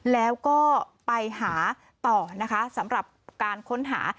แล้วก็ไปหาต่อนะคะสำหรับการค้นหา